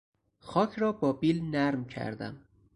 خاک را با بیل نرم کردم.